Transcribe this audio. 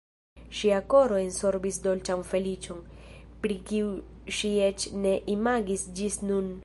Ŝia koro ensorbis dolĉan feliĉon, pri kiu ŝi eĉ ne imagis ĝis nun.